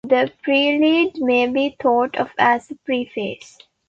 The prelude may be thought of as a preface.